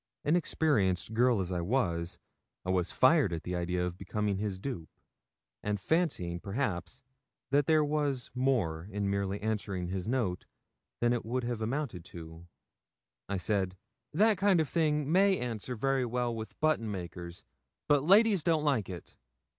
Inexperienced girl as I was, I fired at the idea of becoming his dupe, and fancying, perhaps, that there was more in merely answering his note than it would have amounted to, I said 'That kind of thing may answer very well with button makers, but ladies don't like it.